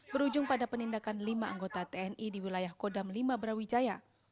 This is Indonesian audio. berujung pada penindakan lima anggota tni di wilayah kodam lima brawijaya